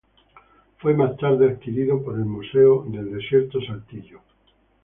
Fue más tarde adquirido por el Museo del Desierto Saltillo.